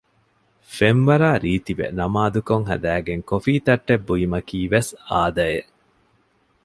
ފެންވަރާ ރީތިވެ ނަމާދުކޮށް ހަދައިގެން ކޮފީތައްޓެއް ބުއިމަކީ ވެސް އާދައެއް